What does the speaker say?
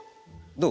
どう？